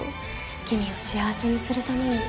君を幸せにするために」。